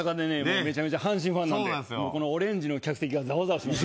メチャメチャ阪神ファンなんでこのオレンジの客席がザワザワします